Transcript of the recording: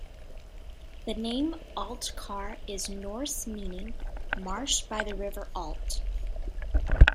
The name Altcar is Norse meaning 'marsh by the River Alt'.